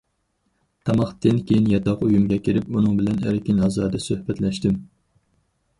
تاماقتىن كېيىن ياتاق ئۆيۈمگە كىرىپ ئۇنىڭ بىلەن ئەركىن- ئازادە سۆھبەتلەشتىم.